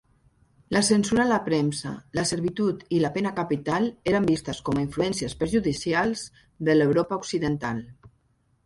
La censura a la premsa, la servitud i la pena capital eren vistes com a influències perjudicials de l'Europa occidental.